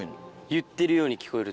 言ってるように聞こえる？